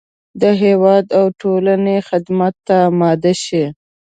د هېواد او ټولنې خدمت ته اماده شي.